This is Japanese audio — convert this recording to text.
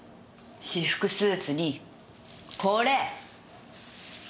私服スーツにこれ。